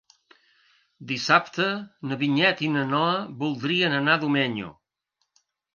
Dissabte na Vinyet i na Noa voldrien anar a Domenyo.